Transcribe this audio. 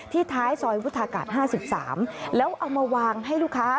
ท้ายซอยวุฒากาศ๕๓แล้วเอามาวางให้ลูกค้า